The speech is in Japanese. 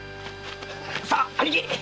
さあ兄貴。